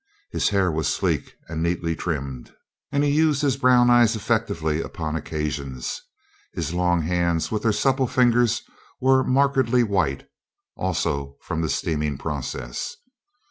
His hair was sleek and neatly trimmed, and he used his brown eyes effectively upon occasions. His long hands with their supple fingers were markedly white, also from the steaming process.